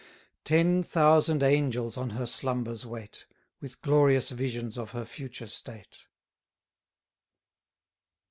Ten thousand angels on her slumbers wait, With glorious visions of her future state.